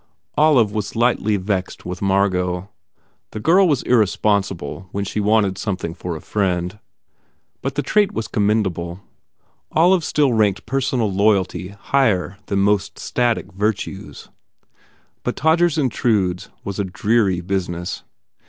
Olive was lightly vexed with Margot. The girl was irresponsible when she wanted something for a friend. But the trait was commendable; Olive still ranked personal loyalty higher than most static virtues. But "Todgers Intrudes" was a dreary business.